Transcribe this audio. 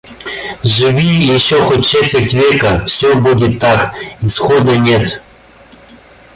Живи ещё хоть четверть века — Всё будет так. Исхода нет.